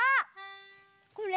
これ？